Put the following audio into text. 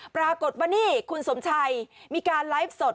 ปรากฏว่านี่คุณสมชัยมีการไลฟ์สด